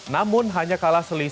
namun hanya kalah selisih